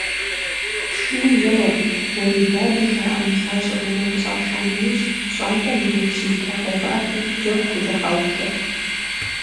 Пшынэ еуэу, уэредадэ жаӀэу нысащӀэр унэм къыщӀаша нэужь пщӀантӀэм и деж щызэтрагъэувыӀэрти, джэгу хузэхаублэрт.